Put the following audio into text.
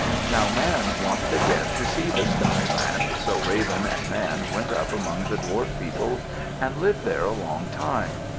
Now Man wanted again to see the skyland, so Raven and Man went up among the dwarf people and lived there a long time.